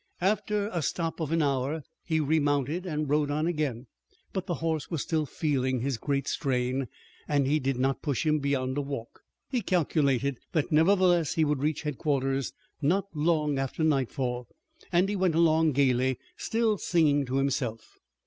After a stop of an hour he remounted and rode on again, but the horse was still feeling his great strain, and he did not push him beyond a walk. He calculated that nevertheless he would reach headquarters not long after nightfall, and he went along gaily, still singing to himself.